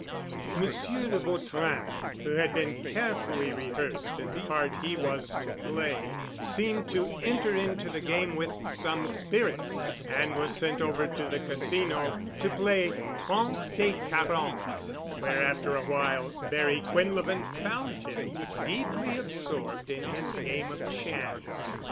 Monsieur de Vautrin, who had been carefully rehearsed in the part he was to play, seemed to enter into the game with some spirit, and was sent over to the Casino to play trente et quarante where after awhile Barry Quinlevin found him, deeply absorbed in his game of chance.